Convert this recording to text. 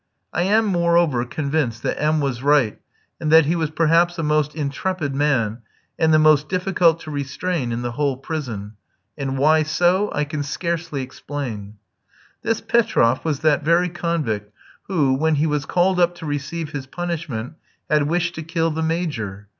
I am moreover convinced that M was right, and that he was perhaps a most intrepid man and the most difficult to restrain in the whole prison. And why so, I can scarcely explain. This Petroff was that very convict who, when he was called up to receive his punishment, had wished to kill the Major.